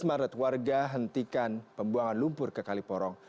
lima belas maret warga hentikan pembuangan lumpur ke kaliporong